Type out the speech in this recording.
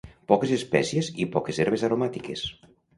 poques espècies i poques herbes aromàtiques